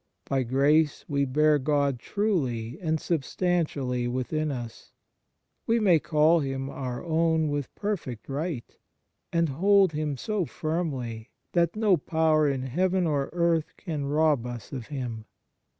By grace we bear God truly and sub stantially within us ; we may call Him our own with perfect right, and hold Him so firmly that no power in heaven or earth can rob us of Him.